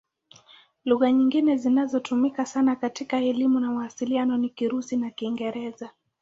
Lugha nyingine zinazotumika sana katika elimu na mawasiliano ni Kirusi na Kiingereza.